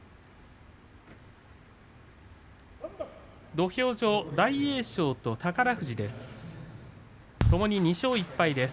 土俵上、大栄翔と宝富士です。